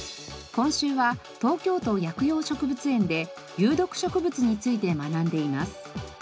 今週は東京都薬用植物園で有毒植物について学んでいます。